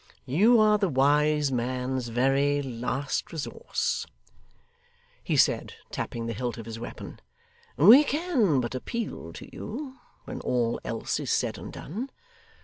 You are the wise man's very last resource,' he said, tapping the hilt of his weapon; 'we can but appeal to you when all else is said and done.